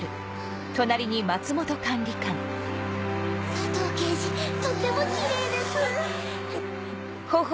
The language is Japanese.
佐藤刑事とってもキレイです。